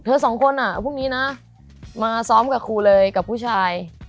สองคนอ่ะพรุ่งนี้นะมาซ้อมกับครูเลยกับผู้ชาย